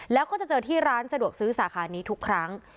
แล้วก็จะเจอที่ร้านสะดวกซื้อสาขานี้ทุกครั้ง